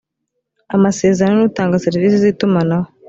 amasezerano n utanga serivisi z itumanaho